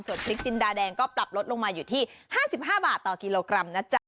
ส่วนพริกจินดาแดงก็ปรับลดลงมาอยู่ที่๕๕บาทต่อกิโลกรัมนะจ๊ะ